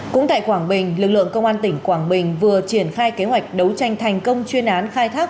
cũng tại quảng bình lực lượng công an tỉnh quảng bình vừa triển khai kế hoạch đấu tranh thành công chuyên án khai thác